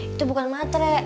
itu bukan matre